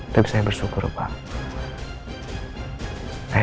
tapi saya bersyukur pak